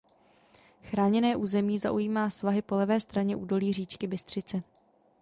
Chráněné území zaujímá svahy po levé straně údolí říčky Bystřice.